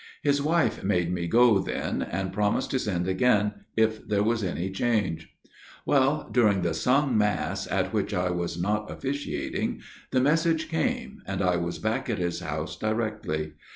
His wife made me go then, and promised to send again if there was any change. " Well, during the sung mass, at which I was not officiating, the message came, and I was back at his house directly.